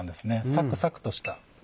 サクサクとした。